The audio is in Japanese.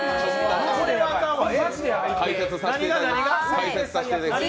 解説させていただきます。